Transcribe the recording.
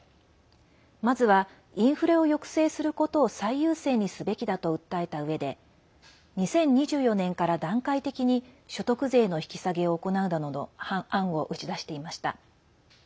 まずはインフレを抑制することを最優先にすべきだと訴えたうえで２０２４年から段階的に所得税の引き下げを行うなどの案を打ち出していました。